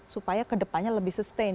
supaya kedepannya lebih sustain